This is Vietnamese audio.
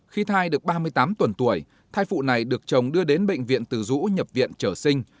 khi thai được ba mươi tám tuần tuổi thai phụ này được chồng đưa đến bệnh viện từ dũ nhập viện trở sinh